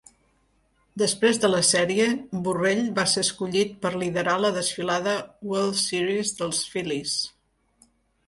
Després de la sèrie, Burrell va ser escollit per liderar la desfilada World Series dels Phillies.